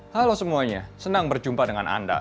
halo semuanya senang berjumpa dengan anda